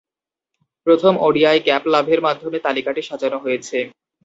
প্রথম ODI cap লাভের মাধ্যমে তালিকাটি সাজানো হয়েছে।